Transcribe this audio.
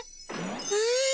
え！